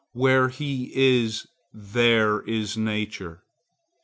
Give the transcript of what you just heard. Where he is, there is nature.